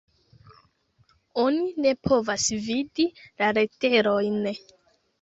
Oni ne povas vidi la leterojn.